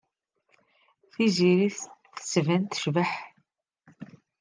Tiziri tettban-d tecbeḥ.